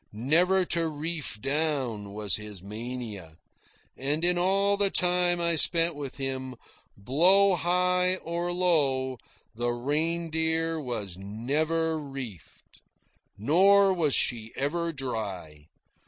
Never to reef down was his mania, and in all the time I spent with him, blow high or low, the Reindeer was never reefed. Nor was she ever dry.